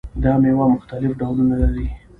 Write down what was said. دا میوه مختلف ډولونه لري.